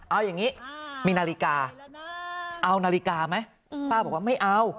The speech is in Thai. เอาอย่างนี้มีนาฬิกาเอานาฬิกาไหมป้าบอกว่าไม่เอา